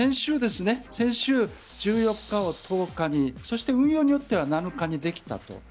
先週、１４日を１０日にそして運用によっては７日にできたと。